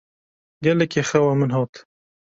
Gelekî xewa min hat.